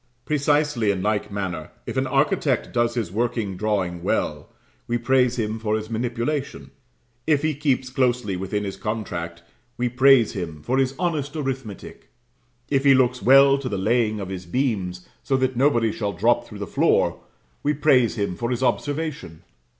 Precisely in like manner, if an architect does his working drawing well, we praise him for his manipulation if he keeps closely within his contract, we praise him for his honest arithmetic if he looks well to the laying of his beams, so that nobody shall drop through the floor, we praise him for his observation.